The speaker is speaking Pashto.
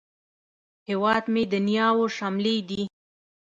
هیواد مې د نیاوو شملې دي